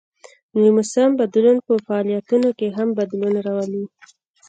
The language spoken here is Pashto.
د موسم بدلون په فعالیتونو کې هم بدلون راولي